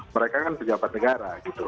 mereka kan pejabat negara gitu